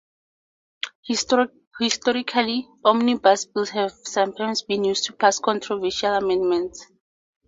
Historically, omnibus bills have sometimes been used to pass controversial amendments.